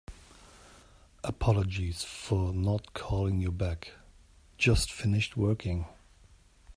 Apologies for not calling you back. Just finished working.